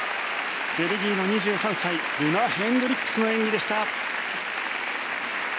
ベルギーの２３歳ルナ・ヘンドリックスの演技でした。